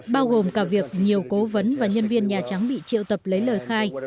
bao gồm cả việc nhiều cố vấn và nhân viên nhà trắng bị triệu tập lấy lời khai